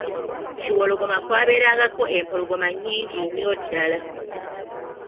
Kiwologoma kwabeerangako empologoma nnyingi nnyo ddala.